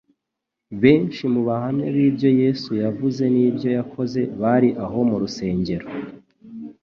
Benshi mu bahamya b’ibyo Yesu yavuze n’ibyo yakoze bari aho mu rusengero,